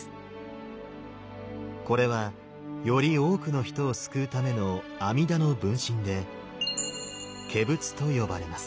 これはより多くの人を救うための阿弥陀の分身で化仏と呼ばれます。